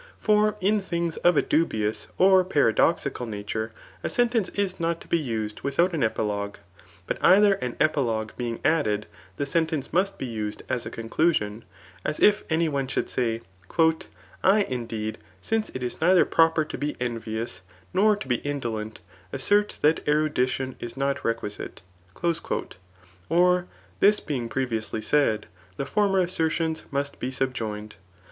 For in tfamgs of a dubious^ M pliradoxical nature; a sentence is n^ to be used without an epilogiie» but either, an ^ilogue being added, tte sentence must be used as a conclosion ; as if any one should say, *f I indeed, since it is neither proper to be enyious, nor to be indolent, aisscrt that eruditicMi is not requisite;" or, this being previously said, the former assertions must be subjoined.